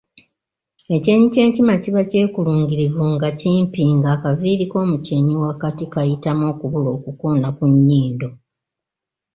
"Ekyenyi ky’enkima kiba kyekulungirivu, nga kimpi ng’akaviiri k’omukyenyi wakati kayitamu okubula okukoona ku nnyindo."